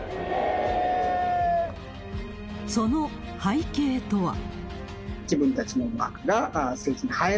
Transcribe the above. その背景とは。